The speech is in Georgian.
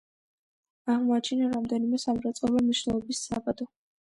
აღმოაჩინა რამდენიმე სამრეწველო მნიშვნელობის საბადო.